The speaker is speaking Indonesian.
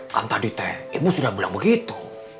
kan tadi teh ibu sudah bilang begitu